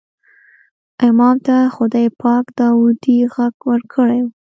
امام ته خدای پاک داودي غږ ورکړی و.